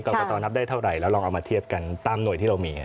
กตนับได้เท่าไหร่แล้วลองเอามาเทียบกันตามหน่วยที่เรามี